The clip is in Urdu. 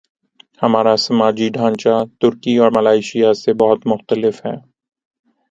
ہمارا سماجی ڈھانچہ ترکی اور ملائشیا سے بہت مختلف ہے۔